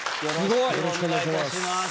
よろしくお願いします。